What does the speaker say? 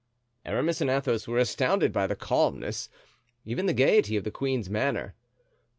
Aramis and Athos were astounded by the calmness, even the gayety of the queen's manner.